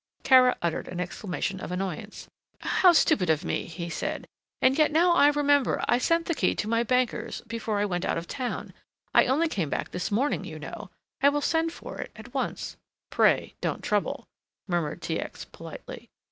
Kara uttered an exclamation of annoyance. "How stupid of me!" he said, "yet now I remember, I sent the key to my bankers, before I went out of town I only came back this morning, you know. I will send for it at once." "Pray don't trouble," murmured T. X. politely.